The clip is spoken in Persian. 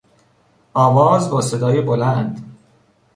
آواز با صدای بلند